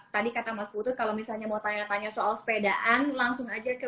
tadi kata mas putut kalau misalnya mau tanya tanya soal sepedaan langsung aja ke